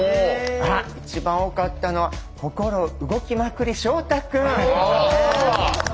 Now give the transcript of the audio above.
あっ一番多かったのは心動きまくり照太くん。